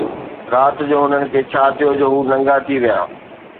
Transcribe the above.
رات جو هنن کي ڇا ٿيو جو هو ننگا ٿي ويا